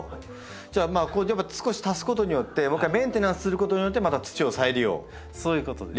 じゃあまあ少し足すことによってもう一回メンテナンスすることによってまた土を再利用リサイクルできるという。